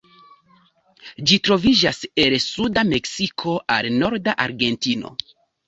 Ĝi troviĝas el suda Meksiko al norda Argentino.